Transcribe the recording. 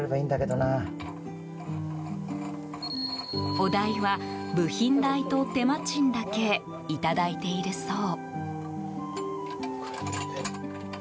お代は、部品代と手間賃だけいただいているそう。